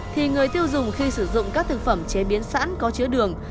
thì người tiêu dùng khi sử dụng các thực phẩm chế biến sẵn có chứa đường